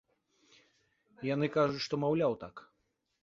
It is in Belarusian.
Яны кажуць, што, маўляў, так.